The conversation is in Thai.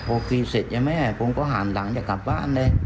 โอเคเสร็จไหมผมก็ห่านหลังจะกลับบ้านเลย